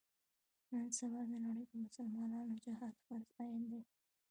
نن سبا د نړۍ په مسلمانانو جهاد فرض عین دی.